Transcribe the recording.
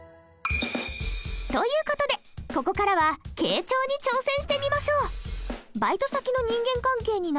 という事でここからは傾聴に挑戦してみましょう。